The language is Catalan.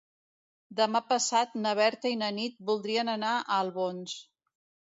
Demà passat na Berta i na Nit voldrien anar a Albons.